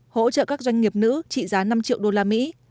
hỗ trợ các doanh nghiệp nữ trị giá năm triệu usd